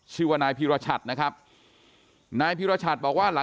ชื่อว่านายพิวราชัตน์นะครับนายพิวราชัตน์บอกว่า